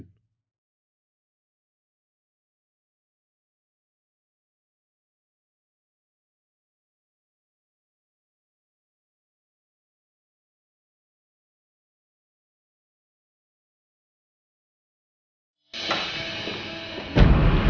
terima kasih banyak nin